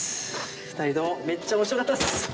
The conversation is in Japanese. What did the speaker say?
２人ともめっちゃ面白かったっす。